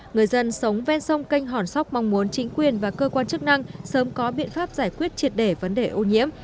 người dân sống ven sông canh hòn sóc mong muốn chính quyền và cơ quan chức năng sớm có biện pháp giải quyết triệt để vấn đề ô nhiễm